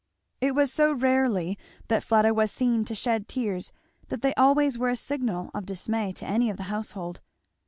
It was so rarely that Fleda was seen to shed tears that they always were a signal of dismay to any of the household.